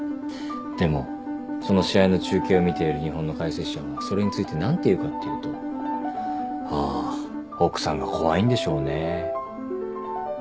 でもその試合の中継を見ている日本の解説者がそれについて何て言うかっていうと「ああ奥さんが怖いんでしょうねぇ」